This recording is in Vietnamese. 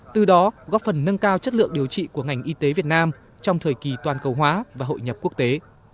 từ đó góp phần nâng cao chất lượng điều trị của ngành y tế việt nam trong thời kỳ toàn cầu hóa và hội nhập quốc tế